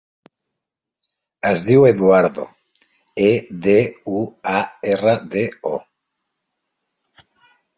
Es diu Eduardo: e, de, u, a, erra, de, o.